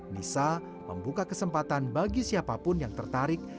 nisa membuka kesempatan bagi siapapun yang tertarik